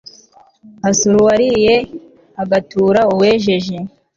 hasura uwariye. hagatura uwejeje